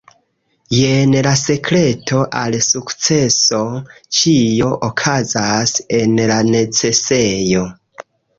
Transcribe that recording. Jen la sekreto al sukceso ĉio okazas en la necesejo